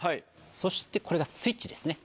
そしてこれがスイッチですね